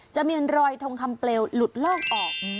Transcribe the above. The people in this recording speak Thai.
จะมีรอยทองคำเปลวหลุดโลกออก